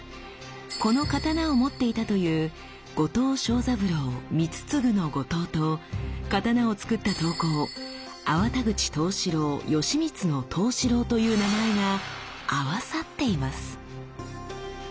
この刀を持っていたという後藤庄三郎光次の「後藤」と刀をつくった刀工粟田口藤四郎吉光の「藤四郎」という名前が合わさっています。